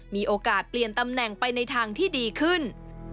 มีโอกาสเปลี่ยนตำแหน่งไปในทางที่ดีขึ้น